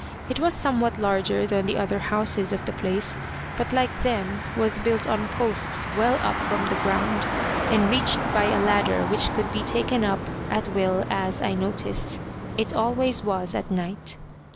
It was somewhat larger than the other houses of the place, but like them was built on posts well up from the ground, and reached by a ladder which could be taken up at will, as, I noticed, it always was at night.